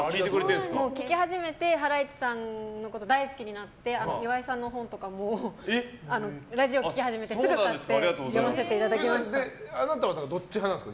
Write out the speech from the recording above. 聴き始めてハライチさんのこと大好きになって岩井さんの本とかもラジオ聴き始めてすぐ買ってあなたは、どっち派なんですか。